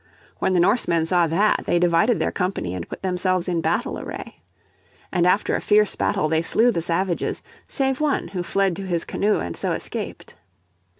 When the Norsemen saw that, they divided their company and put themselves in battle array. And after a fierce battle they slew the savages, save one who fled to his canoe and so escaped.